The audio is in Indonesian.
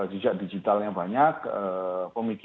jejak digitalnya banyak